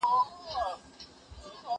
زه به سبا کښېناستل وکړم،